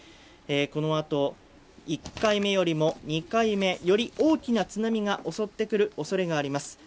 このあと１回目よりも２回目より大きな津波が襲ってくる恐れがあります。